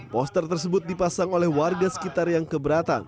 poster tersebut dipasang oleh warga sekitar yang keberatan